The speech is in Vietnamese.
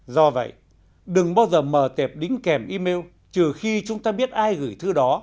do vậy đừng bao giờ mờ tệp đính kèm email trừ khi chúng ta biết ai gửi thư đó